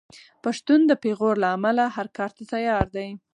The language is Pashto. پښتون د پېغور له امله هر کار ته تیار دی.